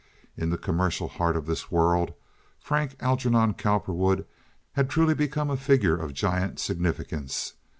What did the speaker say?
In the commercial heart of this world Frank Algernon Cowperwood had truly become a figure of giant significance.